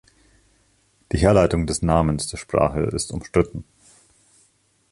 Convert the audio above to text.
Die Herleitung des Namens der Sprache ist umstritten.